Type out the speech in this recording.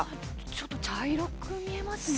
ちょっと茶色く見えますね。